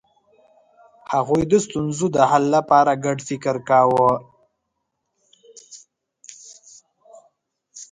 هغوی د ستونزو د حل لپاره ګډ فکر کاوه.